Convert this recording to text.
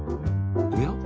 おや？